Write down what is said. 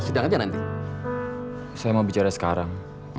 saya mau bicara sekarang